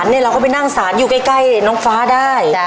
นี่เราก็ไปนั่งสารอยู่ใกล้น้องฟ้าได้